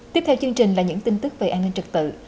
tiếp theo chương trình là những tin tức về an ninh trật tự